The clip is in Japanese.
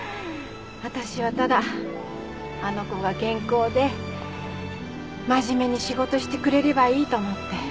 わたしはただあの子が健康でまじめに仕事してくれればいいと思って。